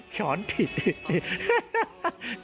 ฉอนติด